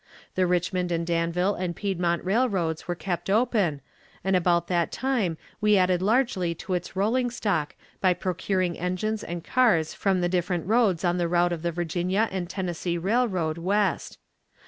... The Richmond and Danville and Piedmont Railroads were kept open, and about that time we added largely to its rolling stock by procuring engines and cars from the different roads on the route of the Virginia and Tennessee Railroad west.